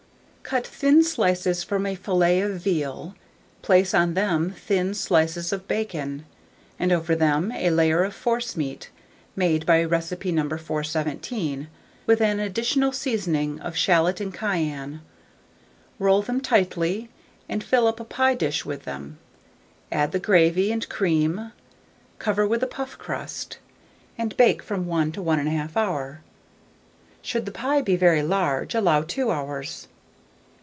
Cut thin slices from a fillet of veal, place on them thin slices of bacon, and over them a layer of forcemeat, made by recipe No. 417, with an additional seasoning of shalot and cayenne; roll them tightly, and fill up a pie dish with them; add the gravy and cream, cover with a puff crust, and bake for 1 to 1 1/2 hour: should the pie be very large, allow 2 hours.